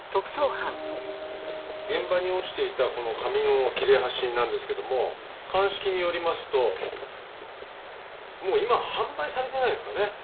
現場に落ちていたこの紙の切れ端なんですけども鑑識によりますともう今は販売されてないんですかね